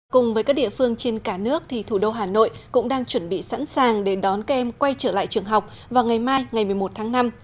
cùng với các địa phương trên cả nước thì thủ đô hà nội cũng đang chuẩn bị sẵn sàng để đón các em quay trở lại trường học vào ngày mai ngày một mươi một tháng năm